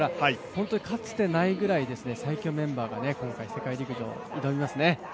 本当にかつてないぐらい最強メンバーが今回世界陸上、挑みますね。